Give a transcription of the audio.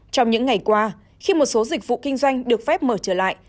trong những ngày qua khi một số dịch vụ kinh doanh được phép mở trở lại